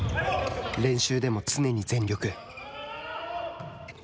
練習でも常に全力。